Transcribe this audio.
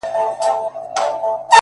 • ما خپل گڼي اوس يې لا خـپـل نه يـمه،